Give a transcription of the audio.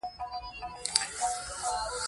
زما او ستا منزل په تریخو اوبو پټ دی.